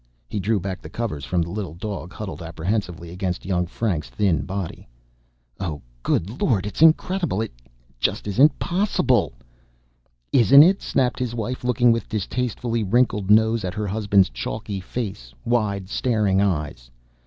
He drew back the cover from the little dog huddled apprehensively against young Frank's thin body. "Oh, good Lord! It's incredible! It just isn't possible!" "Isn't it?" snapped his wife, looking with distastefully wrinkled nose at her husband's chalky face, wide staring eyes.